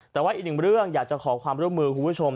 แต่ว่าอีกหนึ่งเรื่องอยากจะขอความร่วมมือคุณผู้ชม